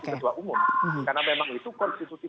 ketua umum karena memang itu konstitusi